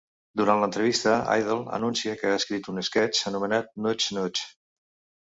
Durant l'entrevista, Idle anuncia que ha escrit un sketch anomenat "Nudge Nudge".